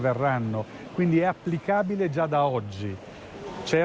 ประธานาฬิกา